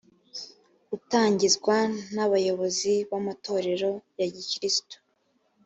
utangizwa n abayobozi b amatorero ya gikristu